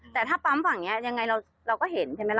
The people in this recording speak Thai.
แต่ถ้าปั๊มฝั่งนี้ยังไงเราก็เห็นใช่ไหมล่ะ